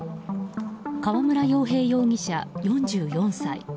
川村洋平容疑者、４４歳。